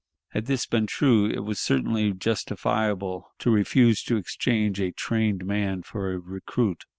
Had this been true, it was certainly justifiable to refuse to exchange a trained man for a recruit.